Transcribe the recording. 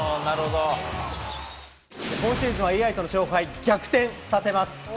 今シーズンはＡＩとの勝敗、逆転させます。